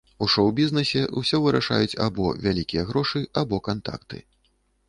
У шоў-бізнэсе ўсё вырашаюць або вялікія грошы, або кантакты.